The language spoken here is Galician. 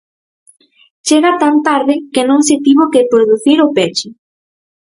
Chega tan tarde que non se tivo que producir o peche.